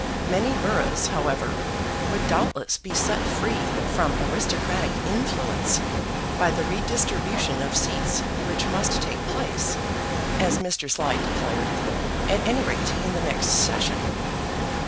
Many boroughs, however, would doubtless be set free from aristocratic influence by the redistribution of seats which must take place, as Mr. Slide declared, at any rate in the next session.